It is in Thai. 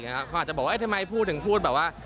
เขาอาจจะบอกว่าทำไมพูดถึงพูดแบบว่า